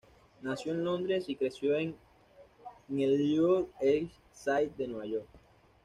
Nació en Londres, y creció en el Lower East Side de Nueva York.